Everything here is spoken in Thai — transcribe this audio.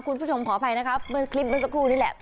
คุณผู้ชมขออภัยนะครับคลิปเป็นสักครู่นี่แหละ